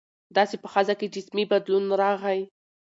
داسې په ښځه کې جسمي بدلون راغى.